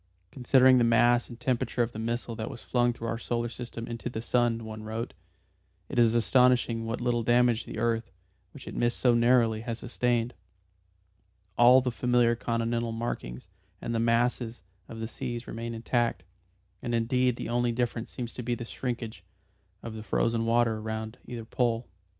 "Considering the mass and temperature of the missile that was flung through our solar system into the sun," one wrote, "it is astonishing what a little damage the earth, which it missed so narrowly, has sustained. All the familiar continental markings and the masses of the seas remain intact, and indeed the only difference seems to be a shrinkage of the white discolouration (supposed to be frozen water) round either pole."